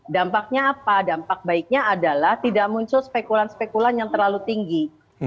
dampaknya apa dampak baiknya adalah tidak muncul spekulan spekulan yang terlalu tinggi